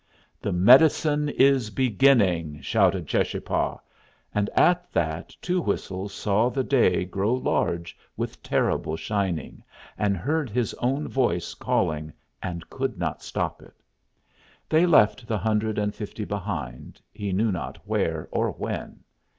"The medicine is beginning!" shouted Cheschapah; and at that Two Whistles saw the day grow large with terrible shining, and heard his own voice calling and could not stop it. They left the hundred and fifty behind, he knew not where or when.